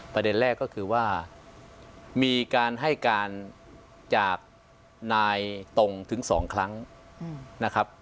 ประเด็นแรกก็คือว่ามีการให้การจากนายตรงถึง๒ครั้งนะครับ